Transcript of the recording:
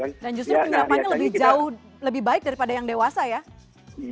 dan justru penyerapan lebih jauh lebih baik daripada yang dewasa ya